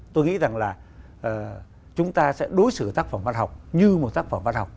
tôi nghĩ rằng là chúng ta sẽ đối xử tác phẩm văn học như một tác phẩm văn học